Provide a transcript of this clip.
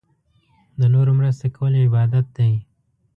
د نورو مرسته کول عبادت دی.